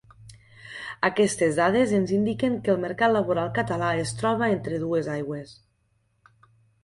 Aquestes dades ens indiquen que el mercat laboral català es troba entre dues aigües.